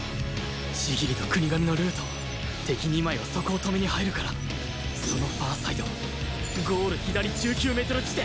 千切と國神のルート敵２枚はそこを止めに入るからそのファーサイドゴール左１９メートル地点